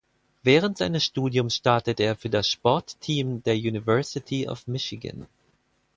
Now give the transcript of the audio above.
Während seines Studiums startete er für das Sportteam der University of Michigan.